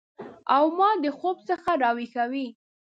او ما د خوب څخه راویښوي